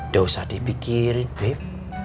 gak usah dipikirin beb